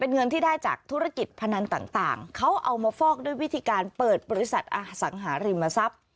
เงินที่ได้จากธุรกิจพนันต่างเขาเอามาฟอกด้วยวิธีการเปิดบริษัทอสังหาริมทรัพย์